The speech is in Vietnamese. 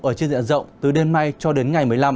ở trên diện rộng từ đêm nay cho đến ngày một mươi năm